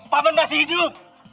paman masih hidup